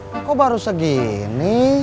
kok baru segini